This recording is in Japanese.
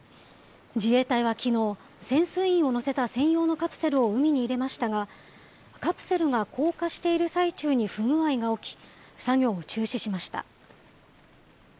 自衛隊はきのう、潜水員を乗せた専用のカプセルを海に入れましたが、カプセルが降下している最中に不具合が起き、作業を中止しました。